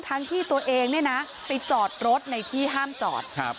ทั้งพี่ตัวเองนะไปจอดรถในที่ห้ามจอด